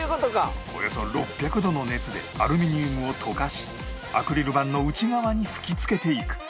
およそ６００度の熱でアルミニウムを溶かしアクリル板の内側に吹きつけていく